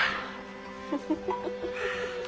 フフフフ。